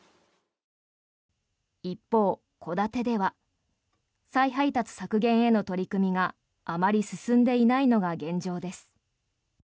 一方、戸建てでは再配達削減への取り組みがあまり進んでいないのが現状です。